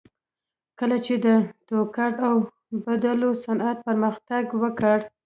کله چې د ټوکر اوبدلو صنعت پرمختګ وکړ